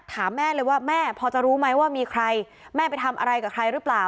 ถามแม่เลยว่าแม่พอจะรู้ไหมว่ามีใครแม่ไปทำอะไรกับใครหรือเปล่า